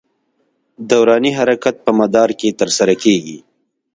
دوراني حرکت په مدار کې تر سره کېږي.